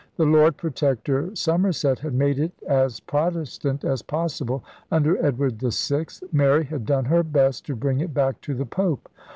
The Lord Pro tector Somerset had made it as Protestant as possible under Edward VI. Mary had done her best to bring it back to the Pope.